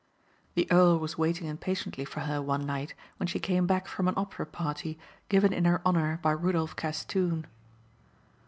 The earl was waiting impatiently for her one night when she came back from an opera party given in her honor by Rudolph Castoon.